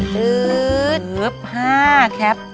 หื้อห้าแคป